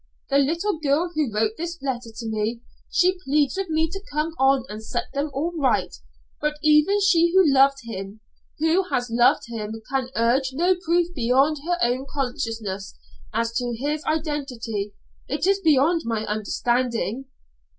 The little girl who wrote this letter to me she pleads with me to come on and set them all right: but even she who loved him who has loved him, can urge no proof beyond her own consciousness, as to his identity; it is beyond my understanding."